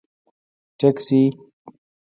🚖 ټکسي